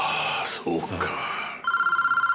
そうか。